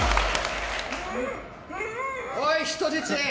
おい、人質！